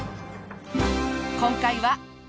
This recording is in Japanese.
今回は。